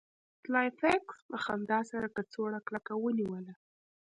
سلای فاکس په خندا سره کڅوړه کلکه ونیوله